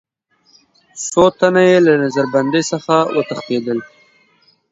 څو تنه یې له نظر بندۍ څخه وتښتېدل.